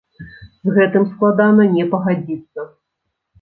З гэтым складана не пагадзіцца!